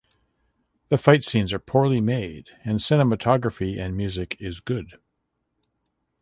The fight scenes are poorly made and cinematography and music is good.